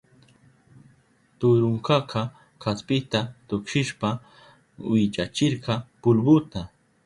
Turunkaka kaspita tuksishpa wichachirka pulbuta.